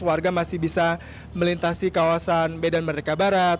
warga masih bisa melintasi kawasan medan merdeka barat